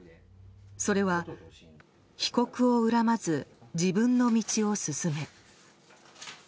それは被告を恨まず自分の道をすすめ。